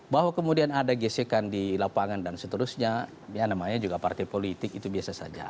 bahwa kemudian ada gesekan di lapangan dan seterusnya ya namanya juga partai politik itu biasa saja